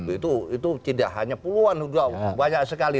itu tidak hanya puluhan banyak sekali